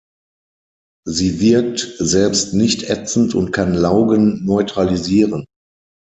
Sie wirkt selbst nicht ätzend und kann Laugen neutralisieren.